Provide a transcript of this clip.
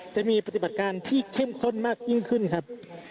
จะมีปฏิบัติการที่เข้มข้นมากยิ่งขึ้นครับ